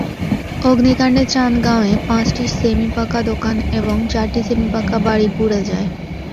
অগ্নিকাণ্ডে চান্দগাঁওয়ে পাঁচটি সেমিপাকা দোকান এবং চারটি সেমিপাকা বাড়ি পুড়ে যায়।